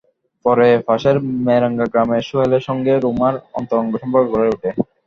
পরে পাশের মেরেঙ্গা গ্রামের সোহেলের সঙ্গে রুমার অন্তরঙ্গ সম্পর্ক গড়ে ওঠে।